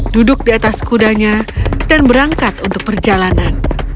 duduk di atas kudanya dan berangkat untuk perjalanan